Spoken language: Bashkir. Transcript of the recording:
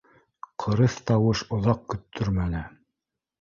Ҡырыҫ тауыш оҙаҡ көттөрмәне: